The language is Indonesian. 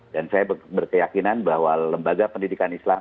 dan saya berkeyakinan bahwa lembaga pendidikan islam